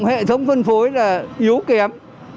hệ thống phân phối là yếu kém